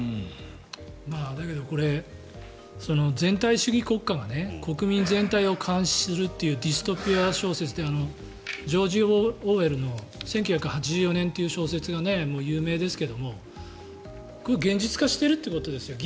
だけどこれ全体主義国家で国民全体を監視するというディストピア小説でジョージ・オーウェルの「１９８４年」という小説が有名ですけど現実化しているってことですよ。